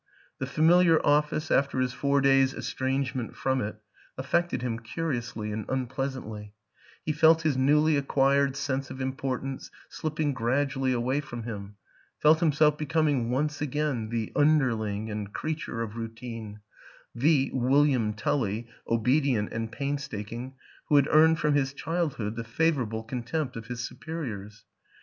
The familiar office after his four days' estrangement from it affected him curiously and unpleasantly; he felt his newly acquired sense of importance slipping gradually away from him, felt himself becoming once again the underling and creature of routine the Wil liam Tully, obedient and painstaking, who had earned from his childhood the favorable contempt of his superiors.